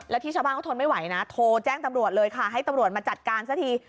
แล้วที่ชาวบ้านเขาทนไม่ไหวนะโทรแจ้งตำรวจเลยค่ะให้ตำรวจมาจัดการซะที